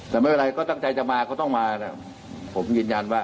แต่ไม่เป็นไรก็ตั้งใจจะมาก็ต้องมาผมยืนยันว่า